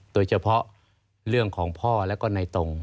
โดยเฉพาะเรื่องของพ่อแล้วก็ในตรง